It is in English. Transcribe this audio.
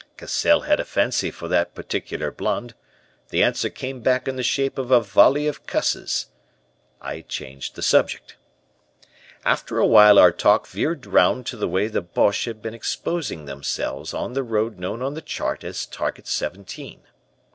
"Cassell had a fancy for that particular blonde. The answer came back in the shape of a volley of cusses. I changed the subject. "After awhile our talk veered round to the way the Boches had been exposing themselves on the road known on the chart as Target Seventeen.